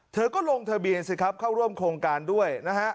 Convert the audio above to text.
เธอก็ลงทะเบียนสิครับเข้าร่วมโครงการด้วยนะฮะ